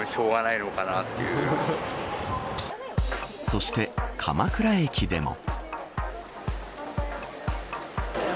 そして、鎌倉駅でも。